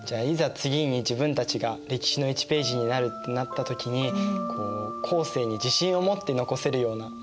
次に自分たちが歴史の１ページになるってなった時に後世に自信を持って残せるような歴史を作っていきたいなと思いました。